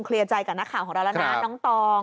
ผมเคลียร์ใจกับนักข่าวของร้านละนานน้องตอง